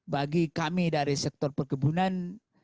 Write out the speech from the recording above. bagi kami dari sektor perkebunan